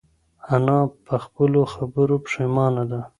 انا په خپلو خبرو پښېمانه ده.